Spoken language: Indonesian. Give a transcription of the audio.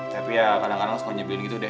tapi ya kadang kadang suka nyebutin gitu deh